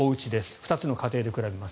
２つの家庭で比べます。